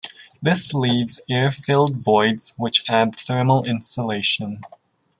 This leaves air filled voids which add thermal insulation.